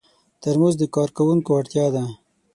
ترموز د کارکوونکو اړتیا ده.